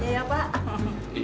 terima kasih pak